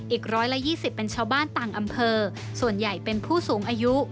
อีก๑๒๐เป็นชาวบ้านต่างอำเภอส่วนใหญ่เป็นผู้สูงอายุ